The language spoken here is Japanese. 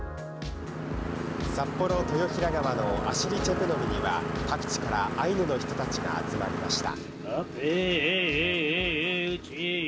札幌、豊平川のアシリ・チェプ・ノミには、各地からアイヌの人たちが集まりました。